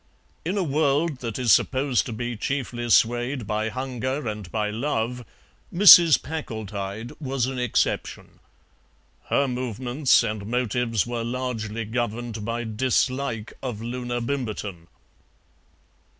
In a world that is supposed to be chiefly swayed by hunger and by love Mrs. Packletide was an exception; her movements and motives were largely governed by dislike of Loona Bimberton.